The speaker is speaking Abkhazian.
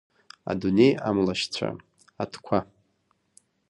Адунеи амлашьцәа, аҭқәа!